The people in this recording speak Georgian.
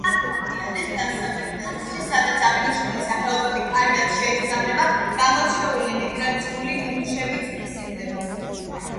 წყნარი ოკეანის დასავლეთ ნაწილში, სადაც აღნიშნული სახეობები კარგად შეისწავლება, გამორჩეული მიგრაციული ნიმუშები ფიქსირდება.